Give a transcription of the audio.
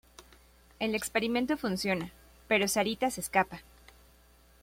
El experimento funciona, pero "Sarita" se escapa.